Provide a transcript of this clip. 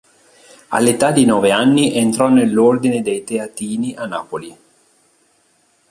All'età di nove anni entrò nell'ordine dei Teatini a Napoli.